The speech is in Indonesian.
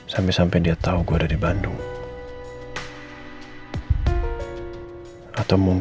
sampai sampai dia tahu gue ada di bandung